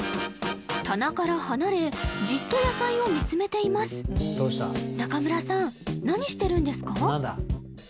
棚から離れじっと野菜を見つめています中村さん何してるんですか？